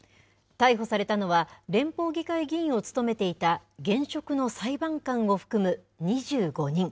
逮捕されたのは、連邦議会議員を務めていた、現職の裁判官を含む２５人。